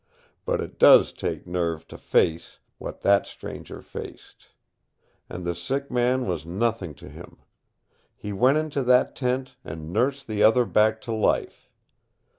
But it does take nerve to face what that stranger faced. And the sick man was nothing to him. He went into that tent and nursed the other back to life.